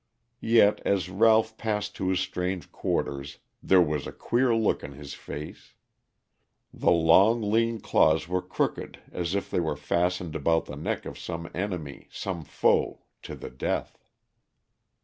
Yet as Ralph passed to his strange quarters, there was a queer look on his face. The long lean claws were crooked as if they were fastened about the neck of some enemy, some foe to the death.